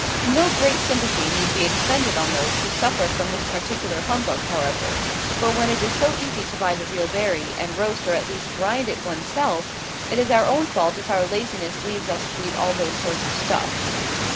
No great sympathy need be expended on those who suffer from this particular humbug, however; for when it is so easy to buy the real berry, and roast or at least grind it one's self, it is our own fault if our laziness leaves us to eat all those sorts of stuff.